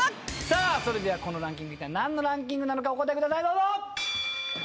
それではこのランキングいったい何のランキングなのかお答えください。